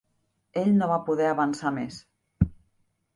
Ell no va poder avançar més.